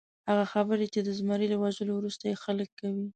هغه خبرې چې د زمري له وژلو وروسته یې خلک کوي.